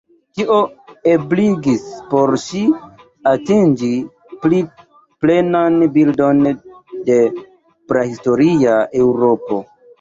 Tio ebligis por ŝi atingi pli plenan bildon de prahistoria Eŭropo.